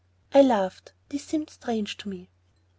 I laughed. This seemed strange to me.